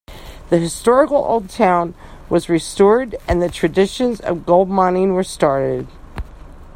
The historical old town was restored and the traditions of gold mining were started.